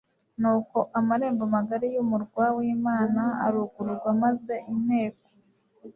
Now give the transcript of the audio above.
Nuko amarembo magari y'umurwa w'Imana arugururwa maze inteko